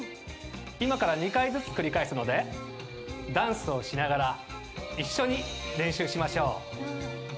今から２回ずつ繰り返すのでダンスをしながら一緒に練習しましょう。